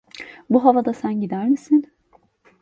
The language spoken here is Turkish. Bu havada sen gider misin?